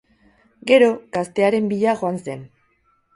Gero, gaztearen bila joan zen.